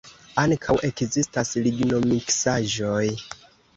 Ankaŭ ekzistas lignomiksaĵoj.